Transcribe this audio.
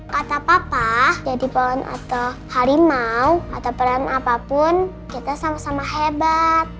kata papa jadi pohon atau harimau atau pohon apapun kita sama sama hebat